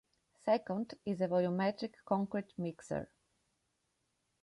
Second is the Volumetric concrete mixer.